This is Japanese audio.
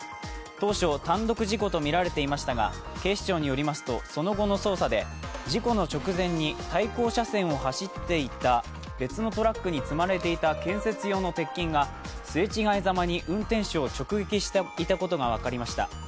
当初、単独事故とみられていましたが、警視庁によりますと、その後の捜査で、事故の直前に対向車線を走っていた別のトラックに積まれていた建設用の鉄筋がすれ違いざまに運転手を直撃していたことが分かりました。